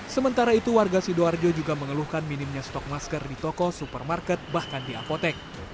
sementara itu warga sidoarjo juga mengeluhkan minimnya stok masker di toko supermarket bahkan di apotek